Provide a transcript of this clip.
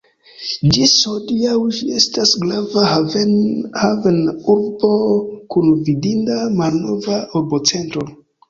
Ĝis hodiaŭ ĝi estas grava haven-urbo kun vidinda malnova urbocentro.